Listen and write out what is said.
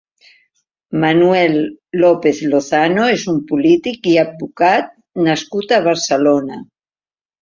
Manuel López Lozano és un polític i advocat nascut a Barcelona.